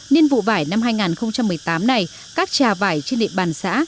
nhiên vụ vải năm hai nghìn một mươi tám này các trà vải trên địa bàn xã